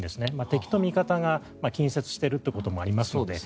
敵と味方が近接しているということもありますので。